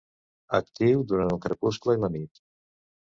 Actiu durant el crepuscle i la nit.